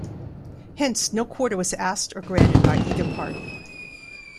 Hence no quarter was asked or granted by either party.